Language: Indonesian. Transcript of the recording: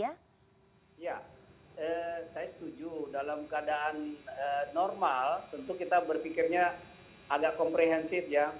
ya saya setuju dalam keadaan normal tentu kita berpikirnya agak komprehensif ya